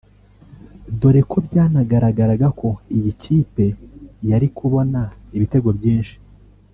dore ko byanagaragaraga ko iyi kipe yari kubona ibitego byinshi